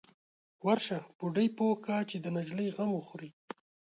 _ورشه، بوډۍ پوه که چې د نجلۍ غم وخوري.